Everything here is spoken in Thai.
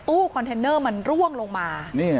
ตู้คอนเทนเนอร์มันร่วงลงมา